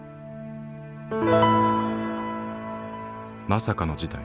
まさかの事態。